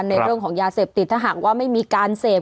ในเรื่องของยาเสพติดถ้าหากว่าไม่มีการเสพ